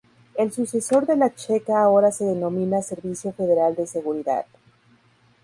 El sucesor de la Checa ahora se denomina Servicio Federal de Seguridad.